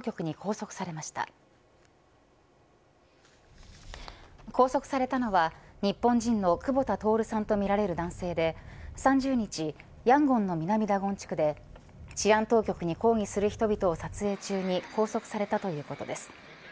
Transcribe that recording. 拘束されたのは日本人のクボタ・トオルさんとみられる男性で３０日ヤンゴンの南ダゴン地区で治安当局に抗議する人々を撮影中に拘束されたということです。